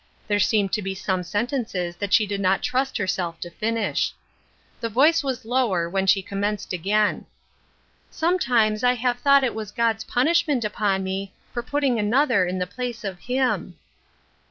There seemed to be some sentences that she did not trust herself to finish. The voice was lower when she commenced again, —" Sometimes I have thought it was God's pun ishment upon me, for putting another in the place of him."